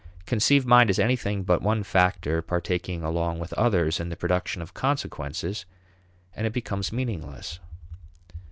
Conceive mind as anything but one factor partaking along with others in the production of consequences, and it becomes meaningless.